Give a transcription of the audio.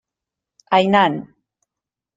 Hainan.